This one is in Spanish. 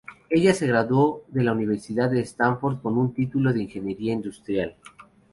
Ella se graduó de la Universidad de Stanford con un título en Ingeniería Industrial.